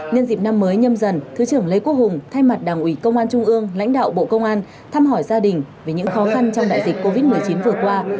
nhân dịp năm mới nhâm dần thứ trưởng lê quốc hùng thay mặt đảng ủy công an trung ương lãnh đạo bộ công an thăm hỏi gia đình về những khó khăn trong đại dịch covid một mươi chín vừa qua